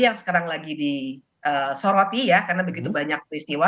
yang sekarang lagi disoroti ya karena begitu banyak peristiwa